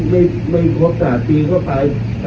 แล้วเมื่อครบแล้วก็ว่ากัน